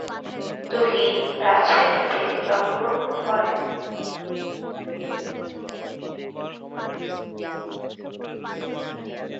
তুহিন রাজশাহীতে জন্মগ্রহণ করেন।